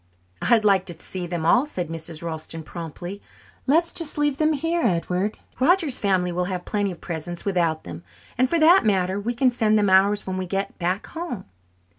"I'd like to see them all," said Mrs. Ralston promptly. "Let's just leave them here, Edward. Roger's family will have plenty of presents without them, and for that matter we can send them ours when we go back home."